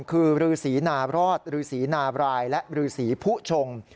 คือฤษีนารอดฤษีนาบรายและรือสีผู้ชง